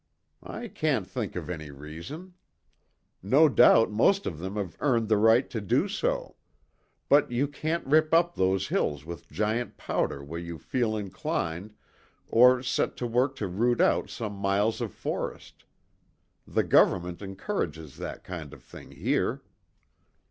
"I can't think of any reason. No doubt, most of them have earned the right to do so. But you can't rip up those hills with giant powder where you feel inclined, or set to work to root out some miles of forest. The Government encourages that kind of thing here."